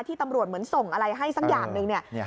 ที่ตำรวจเหมือนส่งอะไรให้สักอย่างหนึ่ง